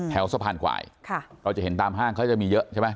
สะพานควายเราจะเห็นตามห้างเขาจะมีเยอะใช่ไหม